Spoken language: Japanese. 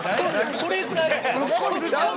これくらい。